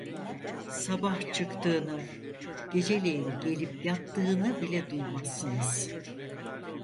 Sabah çıktığını, geceleyin gelip yattığını bile duymazsınız.